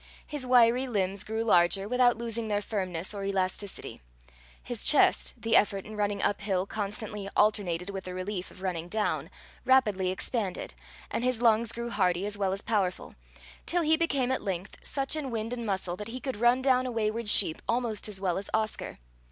His wiry limbs grew larger without losing their firmness or elasticity; his chest, the effort in running up hill constantly alternated with the relief of running down, rapidly expanded, and his lungs grew hardy as well as powerful; till he became at length such in wind and muscle, that he could run down a wayward sheep almost as well as Oscar.